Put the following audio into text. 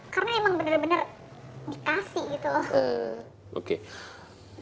parah karena emang bener bener dikasih gitu